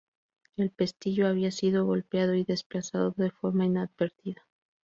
El pestillo había sido golpeado y desplazado de forma inadvertida.